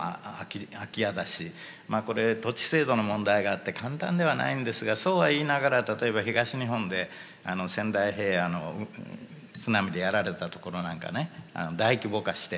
まあこれ土地制度の問題があって簡単ではないんですがそうはいいながら例えば東日本で仙台平野の津波でやられたところなんかね大規模化してやれるようにしてるし。